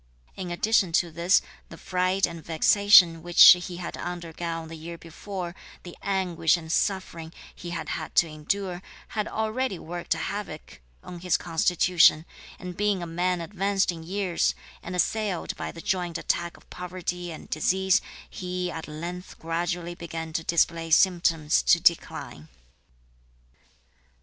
In addition to this, the fright and vexation which he had undergone the year before, the anguish and suffering (he had had to endure), had already worked havoc (on his constitution); and being a man advanced in years, and assailed by the joint attack of poverty and disease, he at length gradually began to display symptoms of decline.